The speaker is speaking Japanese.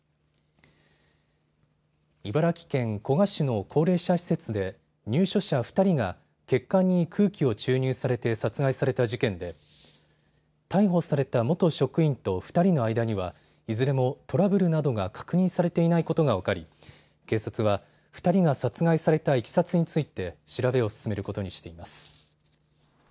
茨城県古河市の高齢者施設で入所者２人が血管に空気を注入されて殺害された事件で逮捕された元職員と２人の間にはいずれもトラブルなどが確認されていないことが分かり警察は２人が殺害されたいきさつについて調べを進めることにしています。